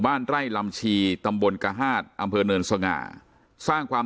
บ้านไร่ลำชีตำบลกระฮาดอำเภอเนินสง่าสร้างความ